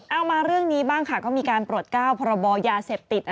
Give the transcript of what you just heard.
มาเรื่องนี้บ้างค่ะก็มีการโปรดก้าวพรบยาเสพติด